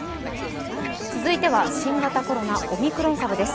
続いては新型コロナオミクロン株です。